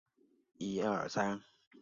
可参考下方的盔甲换装简介。